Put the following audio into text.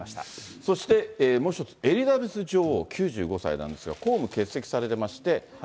そしてエリザベス女王９５歳なんですが、公務欠席されてまして。